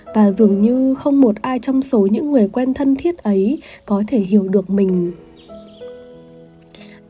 và dường như không một ai trong số những người quen thân thiết ấy có thể hiểu được mình